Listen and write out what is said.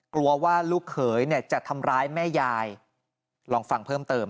กลัวว่าลูกเขยเนี่ยจะทำร้ายแม่ยายลองฟังเพิ่มเติม